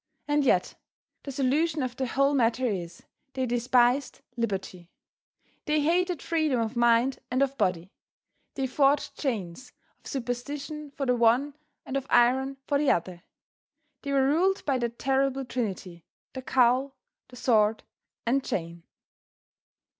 And yet, the solution of the whole matter is, they despised liberty; they hated freedom of mind and of body. They forged chains of superstition for the one and of iron for the other. They were ruled by that terrible trinity, the cowl, the sword and chain.